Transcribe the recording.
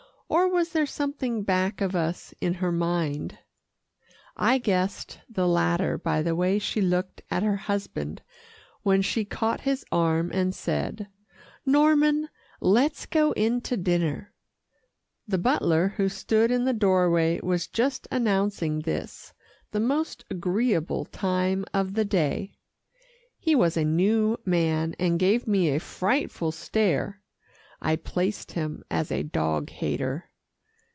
Or was there something back of us in her mind? I guessed the latter by the way she looked at her husband when she caught his arm and said, "Norman, let's go in to dinner." The butler, who stood in the doorway, was just announcing this, the most agreeable time of the day. He was a new man, and gave me a frightful stare. I placed him as a dog hater.